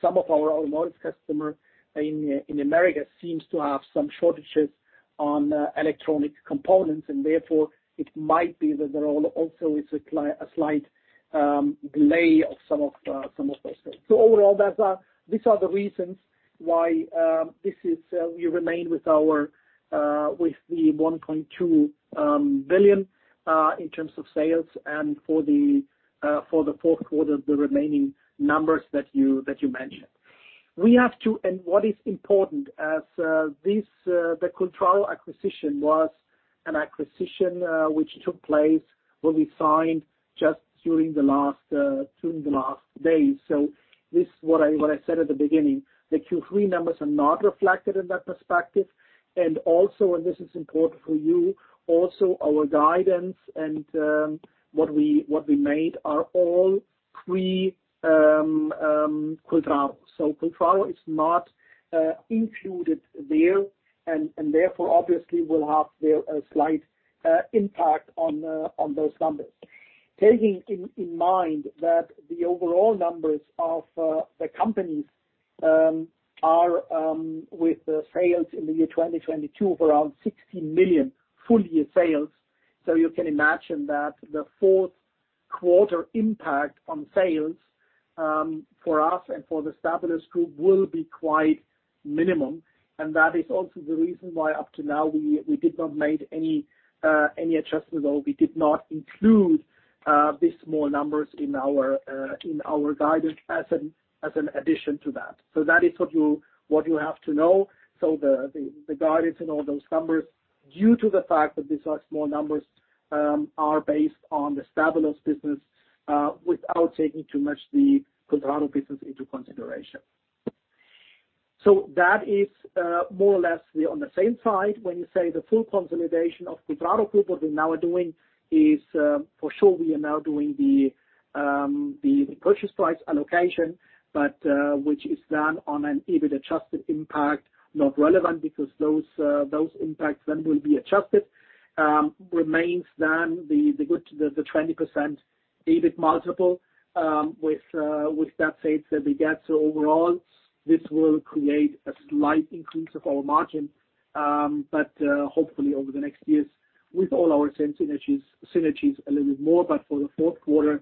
some of our automotive customer in America seems to have some shortages on electronic components, and therefore it might be that there also is a slight delay of some of those things. Overall, that's, these are the reasons why, this is, we remain with our, with the 1.2 billion in terms of sales and for the fourth quarter, the remaining numbers that you, that you mentioned. We have to. What is important as, this, the Cultraro acquisition was an acquisition which took place when we signed just during the last, during the last days. This, what I, what I said at the beginning, the Q3 numbers are not reflected in that perspective. Also, and this is important for you, also, our guidance and what we, what we made are all pre Cultraro. Cultraro is not included there, and therefore, obviously, will have there a slight impact on those numbers. Taking in, in mind that the overall numbers of the companies are with the sales in the year 2022 of around 16 million full year sales. You can imagine that the fourth quarter impact on sales for us and for the Stabilus Group will be quite minimum, and that is also the reason why up to now, we did not make any adjustments, or we did not include these small numbers in our guidance as an addition to that. That is what you, what you have to know. The guidance and all those numbers, due to the fact that these are small numbers, are based on the Stabilus business without taking too much the Cultraro business into consideration. That is more or less the on the same side, when you say the full consolidation of Cultraro Group, what we now are doing is, for sure, we are now doing the purchase price allocation, but which is done on an EBIT-adjusted impact, not relevant, because those impacts then will be adjusted, remains then the good, the 20% EBIT multiple, with that said, that we get so overall, this will create a slight increase of our margin. Hopefully over the next years, with all our synergies, synergies, a little bit more, but for the fourth quarter,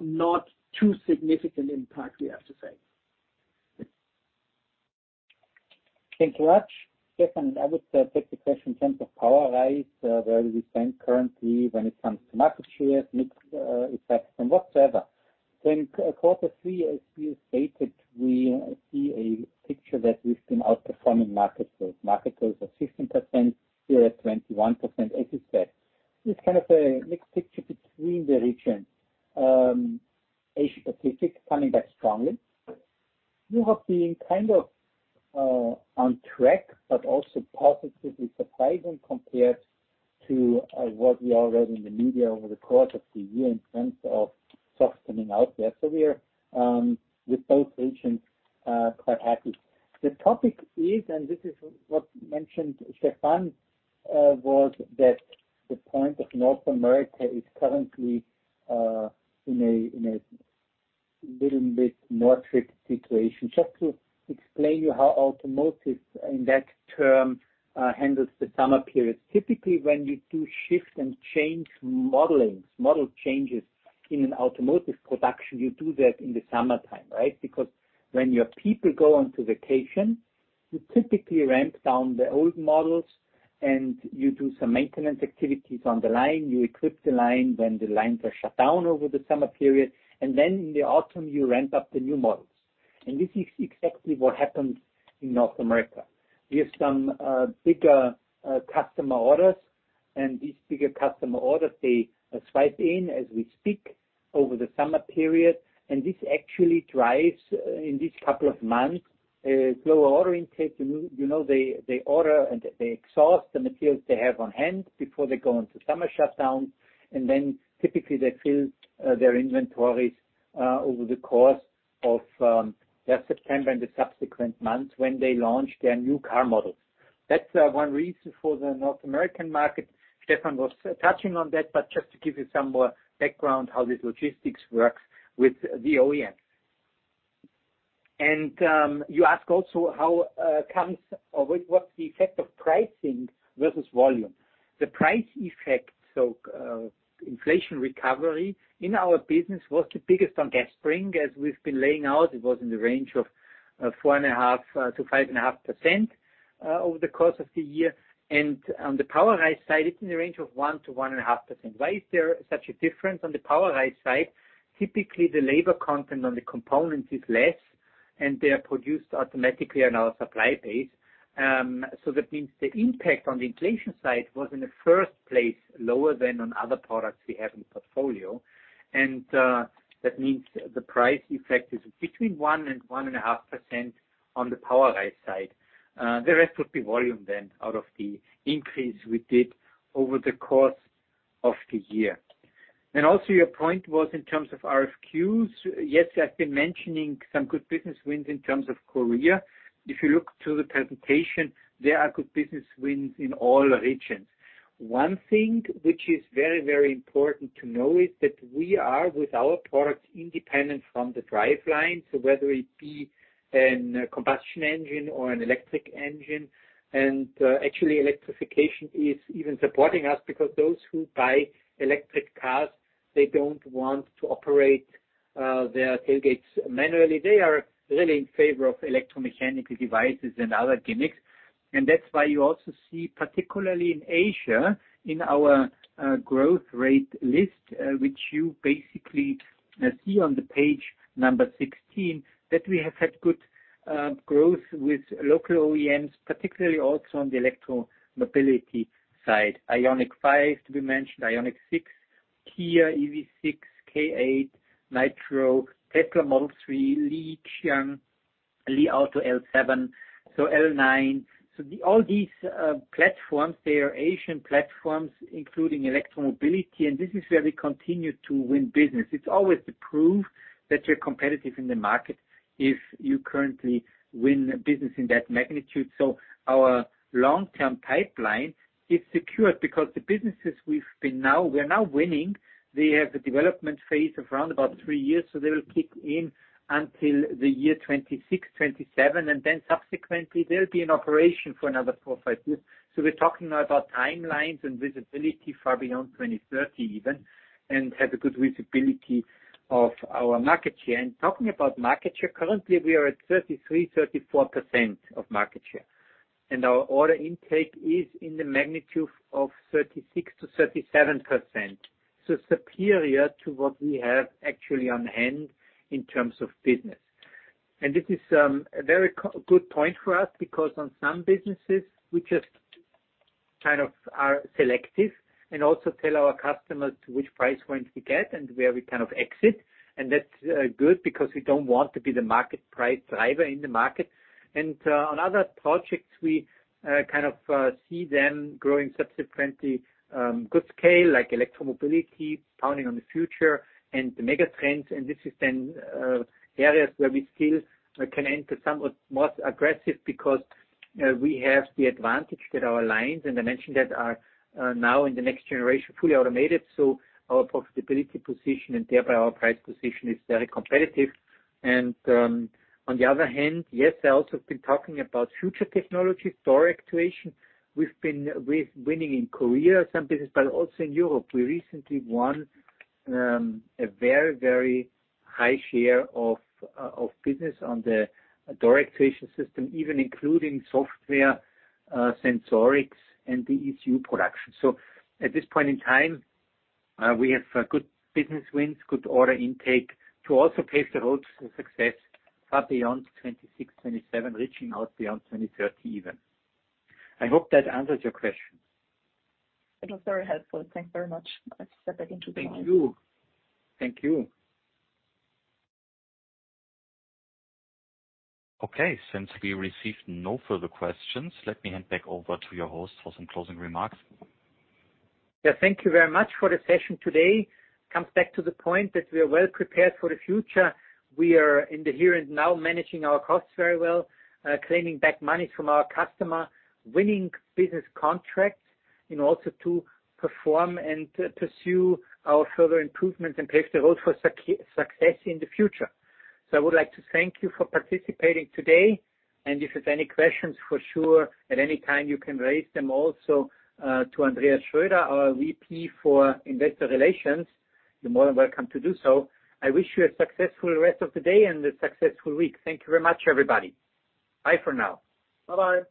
not too significant impact, we have to say. Thank you much. Stefan, I would take the question in terms of POWERISE, where do we stand currently when it comes to market shares, mix, effects, and whatsoever. In quarter three, as we stated, we see a picture that we've been outperforming market growth. Market growth are 16%, we are at 21%, as you said. It's kind of a mixed picture between the regions. Asia Pacific coming back strongly. You have been kind of on track, but also positively surprising compared to what we all read in the media over the course of the year in terms of soft coming out there. We are with both regions quite happy. The topic is, and this is what mentioned Stefan, was that the point of North America is currently in a little bit more tricky situation. Just to explain you how automotive in that term handles the summer period. Typically, when you do shift and change modelings, model changes in an automotive production, you do that in the summertime, right? Because when your people go on to vacation, you typically ramp down the old models, and you do some maintenance activities on the line. You equip the line, then the lines are shut down over the summer period, and then in the autumn, you ramp up the new models. This is exactly what happens in North America. We have some bigger customer orders, and these bigger customer orders, they swipe in as we speak over the summer period, and this actually drives in this couple of months lower order intake. You know, they, they order and they exhaust the materials they have on hand before they go into summer shutdown, and then typically, they fill their inventories over the course of, yeah, September and the subsequent months when they launch their new car models. That's one reason for the North American market. Stefan was touching on that, but just to give you some more background, how this logistics works with the OEM. You ask also, how comes-- or what, what's the effect of pricing versus volume? The price effect, so, inflation recovery in our business was the biggest on gas spring. As we've been laying out, it was in the range of 4.5%-5.5% over the course of the year. On the POWERISE side, it's in the range of 1%-1.5%. Why is there such a difference on the POWERISE side? Typically, the labor content on the components is less, and they are produced automatically on our supply base. That means the impact on the inflation side was in the first place, lower than on other products we have in portfolio. That means the price effect is between 1% and 1.5% on the POWERISE side. The rest would be volume, then, out of the increase we did over the course of the year. Also your point was in terms of RFQs. Yes, I've been mentioning some good business wins in terms of Korea. If you look to the presentation, there are good business wins in all regions. One thing which is very, very important to know is that we are, with our products, independent from the driveline, so whether it be an combustion engine or an electric engine, and, actually, electrification is even supporting us because those who buy electric cars, they don't want to operate their tailgates manually. They are really in favor of electromechanical devices and other gimmicks. That's why you also see, particularly in Asia, in our growth rate list, which you basically see on the page number 16, that we have had good growth with local OEMs, particularly also on the electro mobility side. IONIQ 5, to be mentioned, IONIQ 6, Kia EV6, K8, Niro, Tesla Model 3, Li Xiang, Li Auto L7, so L9. All these platforms, they are Asian platforms, including electro mobility, and this is where we continue to win business. It's always the proof that you're competitive in the market if you currently win business in that magnitude. Our long-term pipeline is secured because the businesses we've been now, we're now winning, they have a development phase of around about 3 years, so they will kick in until the year 2026, 2027, and then subsequently, they'll be in operation for another 4, 5 years. We're talking about timelines and visibility far beyond 2030 even, and have a good visibility of our market share. Talking about market share, currently, we are at 33%-34% of market share, and our order intake is in the magnitude of 36%-37%, so superior to what we have actually on hand in terms of business. This is a very good point for us, because on some businesses, we just kind of are selective and also tell our customers to which price point we get and where we kind of exit. That's good because we don't want to be the market price driver in the market. On other projects, we kind of see them growing subsequently, good scale, like electro mobility, pounding on the future and the mega trends. This is then areas where we still can enter somewhat more aggressive because we have the advantage that our lines, and I mentioned that, are now in the next generation, fully automated. Our profitability position and thereby our price position is very competitive. On the other hand, yes, I also have been talking about future technology, door actuation. We've been, we're winning in Korea, some business, but also in Europe. We recently won a very, very high share of business on the door actuation system, even including software, sensorics, and the ECU production. At this point in time, we have good business wins, good order intake to also pave the road to success far beyond 2026, 2027, reaching out beyond 2030 even. I hope that answers your question. It was very helpful. Thanks very much. I step back into the line. Thank you. Thank you. Okay, since we received no further questions, let me hand back over to your host for some closing remarks. Yeah, thank you very much for the session today. Comes back to the point that we are well prepared for the future. We are in the here and now, managing our costs very well, claiming back money from our customer, winning business contracts, and also to perform and pursue our further improvements and pave the road for success in the future. I would like to thank you for participating today, and if you have any questions, for sure, at any time, you can raise them also to Andreas Schroeder, our VP for Investor Relations. You're more than welcome to do so. I wish you a successful rest of the day and a successful week. Thank you very much, everybody. Bye for now. Bye-bye.